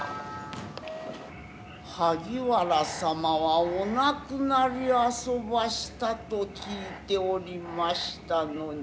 萩原様はお亡くなりあそばしたと聞いておりましたのに。